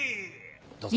どうぞ。